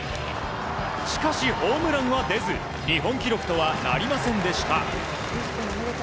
しかしホームランは出ず日本記録とはなりませんでした。